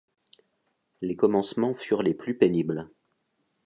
Les commencements furent les plus pénibles.